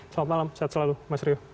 selamat malam sehat selalu mas rio